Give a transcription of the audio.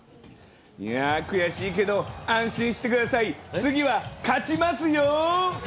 いやー、悔しいけど、安心してください、次は勝ちますよ。